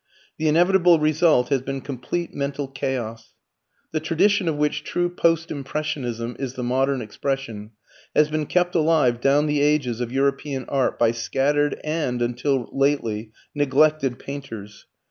The inevitable result has been complete mental chaos. The tradition of which true Post Impressionism is the modern expression has been kept alive down the ages of European art by scattered and, until lately, neglected painters.